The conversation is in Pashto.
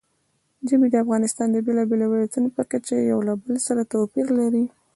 ژبې د افغانستان د بېلابېلو ولایاتو په کچه یو له بل سره توپیر لري.